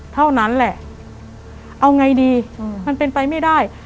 เท่านั้นแหละเอาไงดีมันเป็นไปไม่ได้